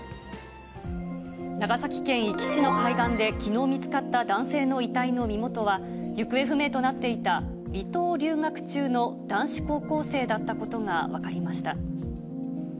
長崎県壱岐市の海岸で、きのう見つかった男性の遺体の身元は、行方不明となっていた離島留学中の男子高校生だったことが分かりました。